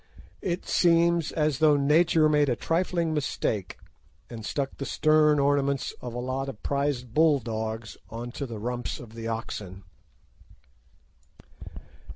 It seems as though Nature made a trifling mistake, and stuck the stern ornaments of a lot of prize bull dogs on to the rumps of the oxen.